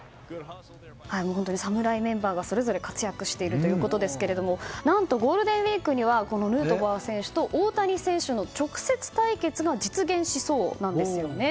侍メンバーがそれぞれ活躍しているということですが何とゴールデンウィークにはヌートバー選手と大谷選手の直接対決が実現しそうなんですね。